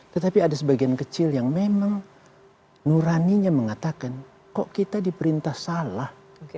tetapi ada sebagian kecil yang memang nuraninya mengatakan kok kita diperintah salah